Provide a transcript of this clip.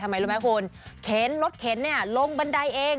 ทำไมรู้ไหมคุณเข็นรถเข็นเนี่ยลงบันไดเอง